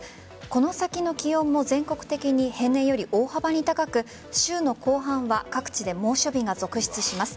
この先の気温も全国的に平年より大幅に高く週の後半は各地で猛暑日が続出します。